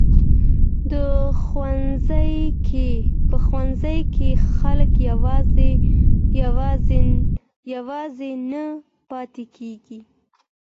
په ښوونځي کې خلک یوازې نه پاتې کیږي.